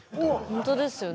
本当ですよね。